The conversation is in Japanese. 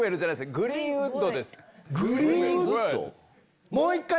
グリーンウッド？